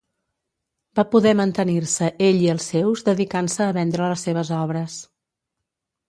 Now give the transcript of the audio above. Va poder mantenir-se ell i els seus dedicant-se a vendre les seves obres.